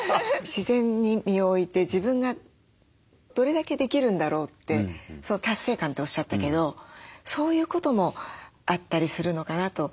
自然に身を置いて自分がどれだけできるんだろうって達成感っておっしゃったけどそういうこともあったりするのかなと。